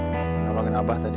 kamu lagi nabah tadi